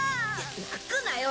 泣くなよ